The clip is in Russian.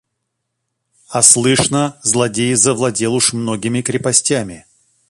– А слышно, злодей завладел уж многими крепостями.